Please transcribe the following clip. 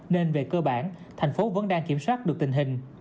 nên về cơ bản thành phố vẫn đang kiểm soát được tình hình